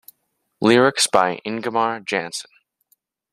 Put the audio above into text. Lyrics by Ingemar Jansson.